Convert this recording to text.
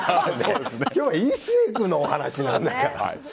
今日は壱成君のお話なんだから。